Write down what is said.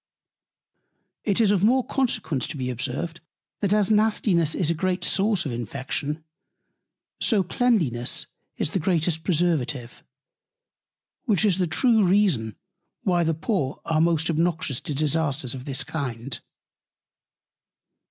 It is of more Consequence to be observed, that as Nastiness is a great Source of Infection, so Cleanliness is the greatest Preservative: Which is the true Reason, why the Poor are most obnoxious to Disasters of this Kind.